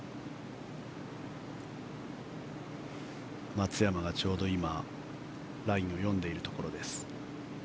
松山がちょうど今ラインを読んでいるところです。